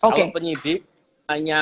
kalau penyidik hanya